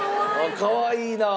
かわいいなあ。